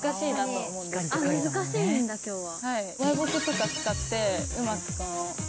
前ボケとか使ってうまくこの。